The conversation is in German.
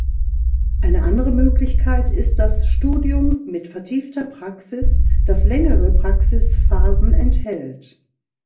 Eine andere Möglichkeit ist das "Studium mit vertiefter Praxis", das längere Praxisphasen enthält.